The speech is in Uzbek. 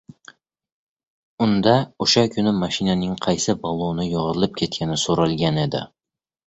Unda oʻsha kuni mashinaning qaysi balloni yorilib ketgani soʻralgan edi.